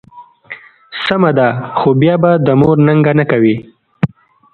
سمه ده، خو بیا به د مور ننګه نه کوې.